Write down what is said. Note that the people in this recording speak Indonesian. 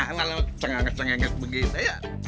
enggak lewat cengenges cengenges begitu ya